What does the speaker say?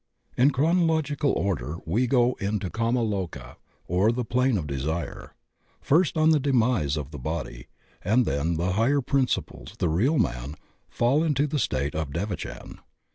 In chronological order we go into kama loka — or the plane of desire — ^first on the demise of the body, and then the higher principles, the real man, fall into the state of devachan.